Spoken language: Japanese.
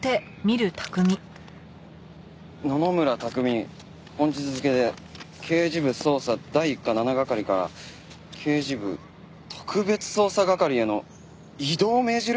「野々村拓海本日付で刑事部捜査第一課７係から刑事部特別捜査係への異動を命じる」？